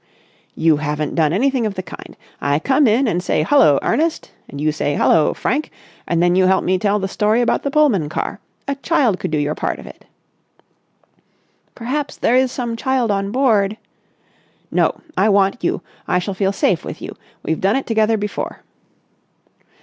"You haven't done anything of the kind. I come in and say 'Hullo, Ernest!' and you say 'Hullo, Frank!' and then you help me tell the story about the Pullman car. A child could do your part of it." "Perhaps there is some child on board...." "No. I want you. I shall feel safe with you. We've done it together before."